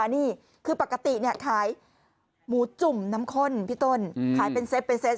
นี่คือปกติขายหมูจุ่มน้ำข้นพี่ต้นขายเป็นเซตเป็นเซต